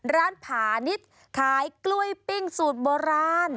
ผานิดขายกล้วยปิ้งสูตรโบราณ